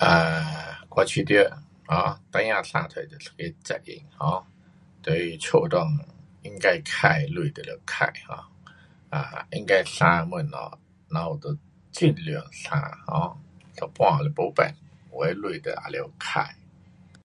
呃，我觉得 um 孩儿生出是一个责任。um 所以家内应该花的钱就得花 um。啊，应该省的东西咱们就尽量省。um 一半是没法，有的钱得，还得花。